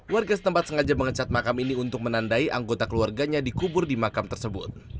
warga setempat sengaja mengecat makam ini untuk menandai anggota keluarganya dikubur di makam tersebut